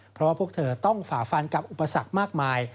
เพราะว่าพวกเธอต้องฝ่าฟันกับอุปสรรคมากมาย